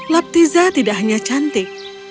laptiza tidak hanya cantik